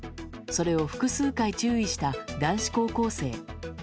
それを複数回注意した男子高校生。